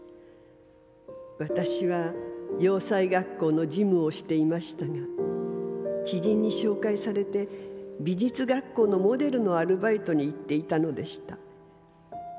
私は洋裁学校の事務をしていましたが知人に紹介されて美術学校のモデルのアルバイトに行っていたのでした。